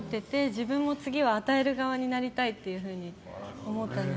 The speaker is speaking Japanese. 自分も次は与える側になりたいというふうに思ったんです。